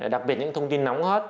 đặc biệt những thông tin nóng hot